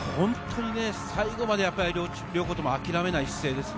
最後まで両校とも諦めない姿勢ですね。